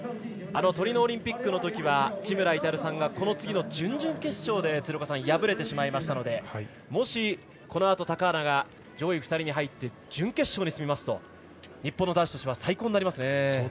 あのトリノオリンピックのときは千村格さんがこの次の準々決勝で敗れてしまいましたのでもし、このあと高原が上位２人に入って準決勝に進みますと日本の男子としては最高になりますね。